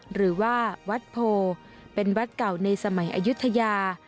หรือว่าวัดโพเป็นวัดเก่าในสมัยอายุทยา